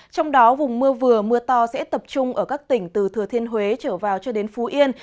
trong đó vùng mưa vừa mưa to sẽ tập trung ở các tỉnh từ thừa thiên huế trở vào cho đến phú yên